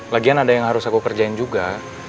lagian ada yang harus aku kerjain juga